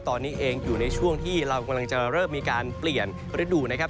ตอนนี้เองอยู่ในช่วงที่เรากำลังจะเริ่มมีการเปลี่ยนฤดูนะครับ